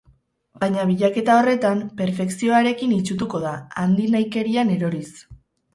Baina bilaketa horretan perfekzioarekin itsutuko da, handi-nahikerian eroriz.